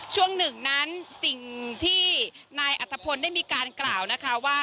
ช่วงหนึ่งนั้นสิ่งที่นายอัตภพลได้มีการกล่าวนะคะว่า